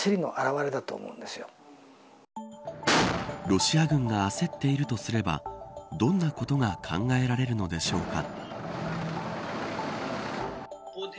ロシア軍が焦っているとすればどんなことが考えられるのでしょうか。